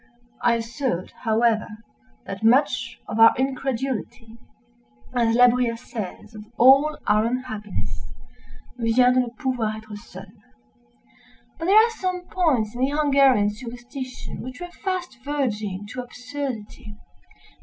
I assert, however, that much of our incredulity—as La Bruyère says of all our unhappiness—"vient de ne pouvoir être seuls." {*1} But there are some points in the Hungarian superstition which were fast verging to absurdity.